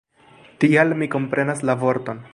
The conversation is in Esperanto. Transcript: Tial, mi komprenas la vorton.